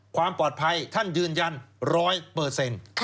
ความปลอดภัยท่านยืนยันร้อยเปอร์เซ็นต์